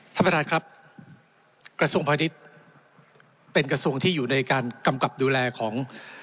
ท่านประธานครับกระทรวงพาณิชย์เป็นกระทรวงที่อยู่ในการกำกับดูแลของ